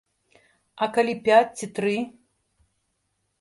А калі пяць ці тры?